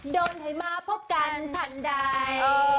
โดนให้มาพบกันทันใด